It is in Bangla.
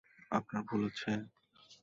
আপনার ভুল হচ্ছে?